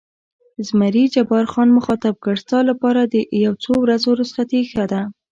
زمري جبار خان مخاطب کړ: ستا لپاره د یو څو ورځو رخصتي ښه ده.